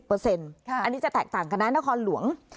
อันนี้จะแตกต่างกันนะนครหลวง